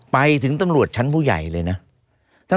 ไปถึงตำรวจชั้นผู้ใหญ่เลยนะ